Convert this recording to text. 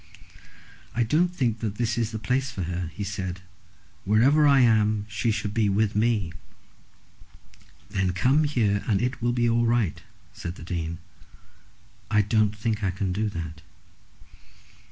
"I don't think that this is the place for her," he said. "Wherever I am she should be with me." "Then come here, and it will be all right," said the Dean. "I don't think that I can do that."